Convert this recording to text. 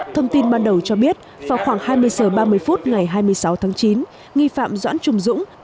thông tin ban đầu cho biết vào khoảng hai mươi h ba mươi phút ngày hai mươi sáu tháng chín nghi phạm doãn trùng dũng